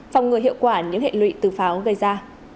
phòng ngừa hiệu quả những hệ lụy từ pháo gây ra